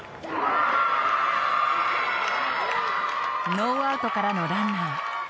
ノーアウトからのランナー。